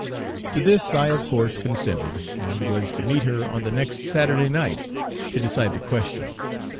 To this I of course consented, and was to meet her on the next Saturday night to decide the question.